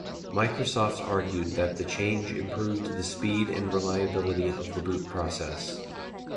Microsoft argued that the change improved the speed and reliability of the boot process.